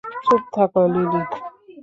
চুপ থাকো, লিলি।